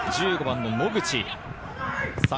１５番の野口。